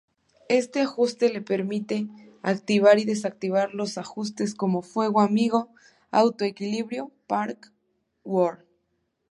Este ajuste le permite activar y desactivar los ajustes como "fuego amigo", "auto-equilibrio" "Parkour".